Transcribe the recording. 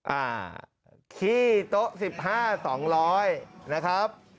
อ่าขี้โต๊ะ๑๕๒๐๐นะครับ